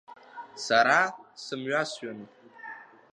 Сара сымҩасҩын…